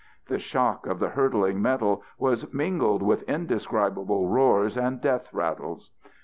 The shock of the hurtling metal was mingled with indescribable roars and death rattles.